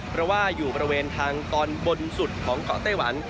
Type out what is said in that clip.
เพราะว่าอยู่บริเวณทางตอนบนสุดของเกาะไต้หวัน